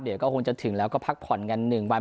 เดี๋ยวก็คงจะถึงแล้วก็พักผ่อนกัน๑วัน